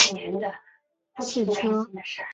而且还有很多外国巴士及汽车。